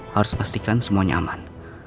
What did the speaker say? harus pastikan semuanya aman